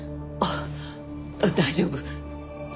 ああ大丈夫。